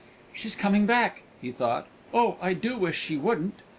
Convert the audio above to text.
"She's coming back!" he thought. "Oh, I do wish she wouldn't!"